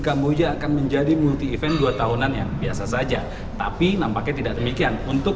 kamboja akan menjadi multi event dua tahunan yang biasa saja tapi nampaknya tidak demikian untuk